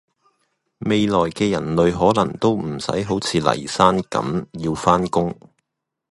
未來既人類可能都唔洗好似黎生咁要返工